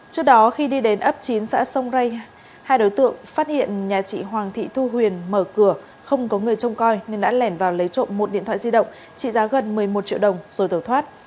trước đó khi đi đến ấp chín xã sông rây hai đối tượng phát hiện nhà chị hoàng thị thu huyền mở cửa không có người trông coi nên đã lẻn vào lấy trộm một điện thoại di động trị giá gần một mươi một triệu đồng rồi tẩu thoát